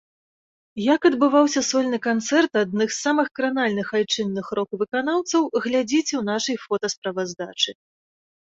Як адбываўся сольны канцэрт адных з самых кранальных айчынных рок-выканаўцаў глядзіце ў нашай фотасправаздачы.